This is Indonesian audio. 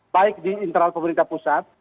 baik di internal pemerintah pusat